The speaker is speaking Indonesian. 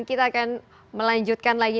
kita akan melanjutkan lagi